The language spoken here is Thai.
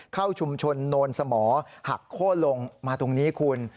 เข้าชุมชนโนนสมอหักโค้นลงมาตรงนี้คุณ